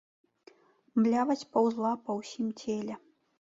Млявасць паўзла па ўсім целе.